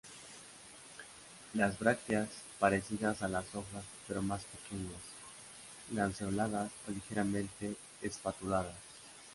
Las brácteas parecidas a las hojas pero más pequeñas, lanceoladas o ligeramente espatuladas.